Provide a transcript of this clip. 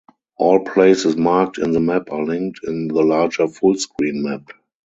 All places marked in the map are linked in the larger full screen map.